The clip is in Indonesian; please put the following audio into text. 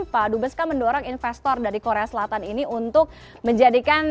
pak dubes kan mendorong investor dari korea selatan ini untuk menjadikan